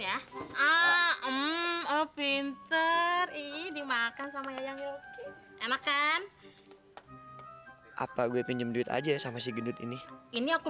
dah ah pinter ini makan sama yang enakan apa gue pinjam duit aja sama si gendut ini ini aku